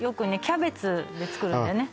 キャベツで作るんだよね